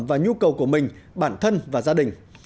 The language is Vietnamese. và nhu cầu của mình bản thân và gia đình